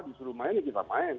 justru main ya kita main